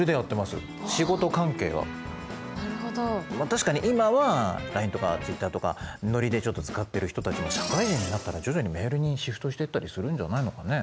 確かに今はＬＩＮＥとかＴｗｉｔｔｅｒとかノリでちょっと使ってる人たちも社会人になったら徐々にメールにシフトしていったりするんじゃないのかね？